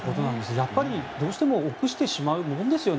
やっぱりどうしても臆してしまうものですよね。